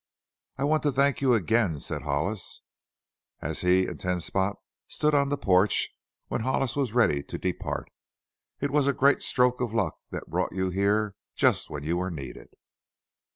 "I want to thank you again," said Hollis as he and Ten Spot stood on the porch when Hollis was ready to depart; "it was a great stroke of luck that brought you here just when you were needed."